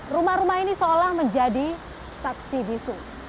rumah rumah ini seolah menjadi saksi bisu